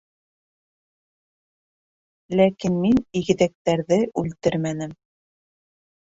Ләкин мин... игеҙәктәрҙе үлтермәнем!